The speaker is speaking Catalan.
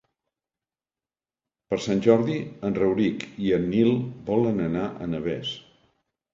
Per Sant Jordi en Rauric i en Nil volen anar a Navès.